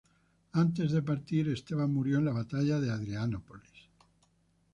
Antes de partir Esteban murió en la batalla de Adrianópolis.